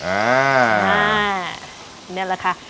อันนี้แหละค่ะ